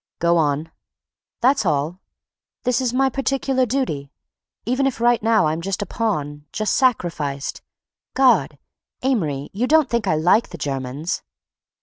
"Go on." "That's all—this is my particular duty. Even if right now I'm just a pawn—just sacrificed. God! Amory—you don't think I like the Germans!"